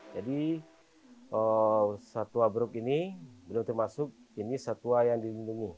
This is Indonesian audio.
satwa bruk ini belum termasuk ini satwa yang dilindungi